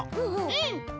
うん。